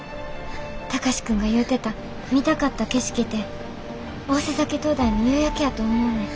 貴司君が言うてた見たかった景色て大瀬埼灯台の夕焼けやと思うねん。